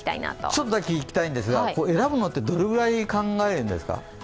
ちょっとだけ聞きたいんですが、選ぶのってどれぐらい考えるんですか？